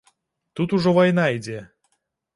Тут ужо вайна ідзе.